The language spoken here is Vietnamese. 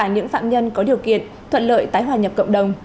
những phạm nhân có điều kiện thuận lợi tái hòa nhập cộng đồng